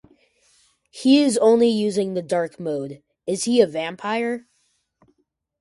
He is only using the dark mode, is he a vampire?